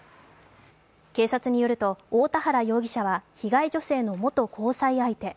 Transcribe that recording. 警察によると太田原容疑者は被害女性の元交際相手。